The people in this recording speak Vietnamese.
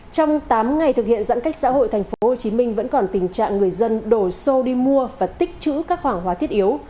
trong tám ngày thực hiện giãn cách xã hội tp hcm vẫn còn tình trạng người dân đổi xô đi mua và tích trữ các hàng hóa thiết yếu